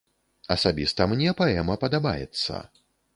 Асабіста мне паэма падабаецца.